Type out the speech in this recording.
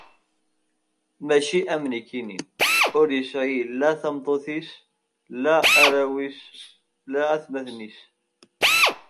Maci am nekkni, ur isɛi la tameṭṭut-is, la arraw-is, la atmaten-is.